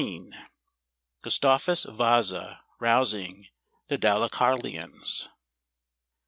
Gustavus Vasa rousing the Dalecarlians.